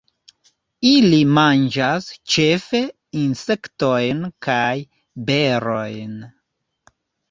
Ili manĝas ĉefe insektojn kaj berojn.